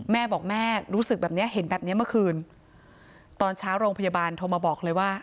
แม่บอกแม่รู้สึกแบบเนี้ยเห็นแบบเนี้ยเมื่อคืนตอนเช้าโรงพยาบาลโทรมาบอกเลยว่า